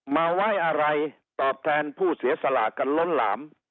มาไว้อะไรตอบแทนผู้เสียสละกันล้นหลาม